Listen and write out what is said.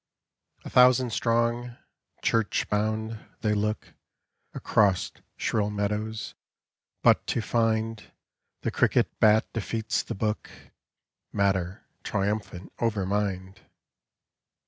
A thousand strong, church bound, they look Across shrill meadows but to find The cricket bat defeats tin — Matter triumphant over Mind